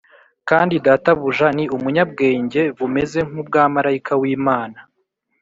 Kandi databuja ni umunyabwenge bumeze nk’ubwa marayika w’Imana